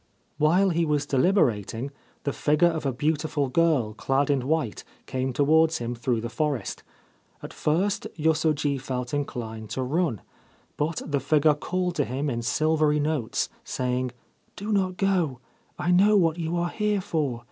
While he was deliberating the figure of a beautiful girl clad in white came towards him through the forest. At first Yosoji felt inclined to run ; but the figure called to him in silvery notes, saying :' Do not go. I know what you are here for.